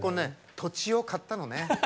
土地を買ったのね。